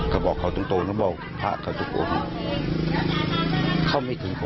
เขาบอกเขาตรงนะบอกพระเขาจะโกรธเข้าไม่ถึงผมอ่ะ